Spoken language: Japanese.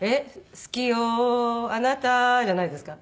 「好きよあなた」じゃないですか？